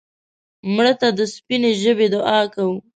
مړه ته د سپینې ژبې دعا کوو